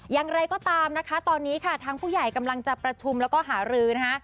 อย่างไรก็ตามตอนนี้ทั้งผู้ใหญ่กำลังจะประชุมแล้วก็หาหลืน